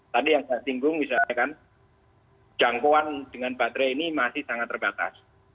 tadi yang saya singgung misalnya kan jangkauan dengan baterai ini masih sangat terbatas